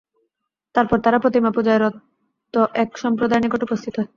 তারপর তারা প্রতিমা পূজায় রত এক সম্প্রদায়ের নিকট উপস্থিত হয়।